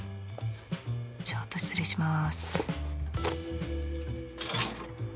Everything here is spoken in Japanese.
ちょっと失礼します